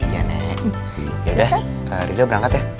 yaudah rida berangkat ya